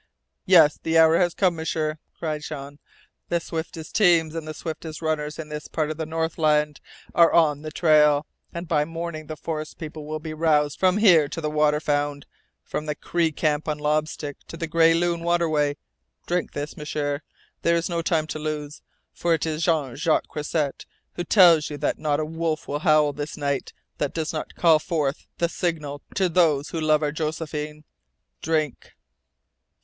"Yes, the hour has come, M'sieur!" cried Jean. "The swiftest teams and the swiftest runners in this part of the Northland are on the trail, and by morning the forest people will be roused from here to the Waterfound, from the Cree camp on Lobstick to the Gray Loon waterway! Drink this, M'sieur. There is no time to lose. For it is Jean Jacques Croisset who tells you that not a wolf will howl this night that does not call forth the signal to those who love our Josephine! Drink!"